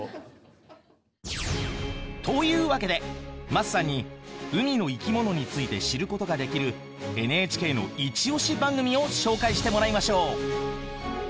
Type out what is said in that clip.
というわけで桝さんに海の生き物について知ることができるＮＨＫのイチオシ番組を紹介してもらいましょう。